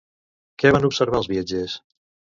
Què van observar els viatgers?